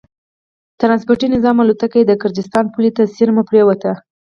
ټرانسپورټي نظامي الوتکه یې د ګرجستان پولې ته څېرمه پرېوتې